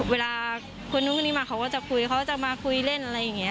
เวลาคนนู้นคนนี้มาเขาก็จะคุยเขาจะมาคุยเล่นอะไรอย่างนี้